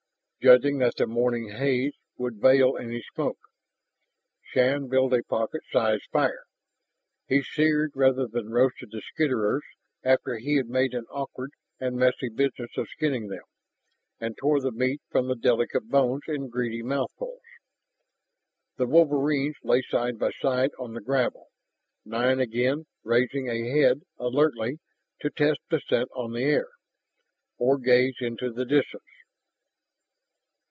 Judging that the morning haze would veil any smoke, Shann built a pocket size fire. He seared rather than roasted the skitterers after he had made an awkward and messy business of skinning them, and tore the meat from the delicate bones in greedy mouthfuls. The wolverines lay side by side on the gravel, now and again raising a head alertly to test the scent on the air, or gaze into the distance.